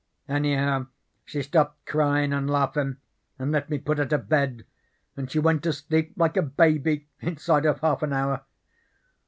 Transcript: Anyhow, she stopped cryin' and laughin' and let me put her to bed, and she went to sleep like a baby inside of half an hour.